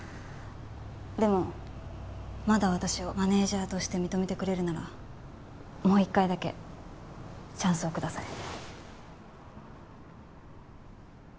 でもまだ私をマネージャーとして認めてくれるならもう一回だけチャンスをください。